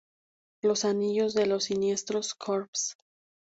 Los anillos de los Sinestro Corps.